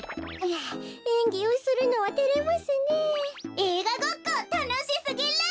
えいがごっこたのしすぎる！